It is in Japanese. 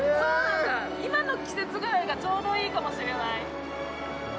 今の季節がちょうどいいかもしれない。